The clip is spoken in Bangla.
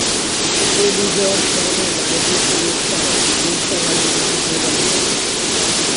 এই বিজয়ের স্মরণে বায়েজীদ বুরসায় বুরসা জামে মসজিদ নির্মাণ করেন।